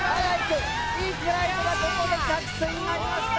いいフライトがここで着水になりました。